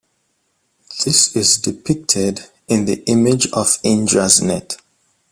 This is depicted in the image of Indra's net.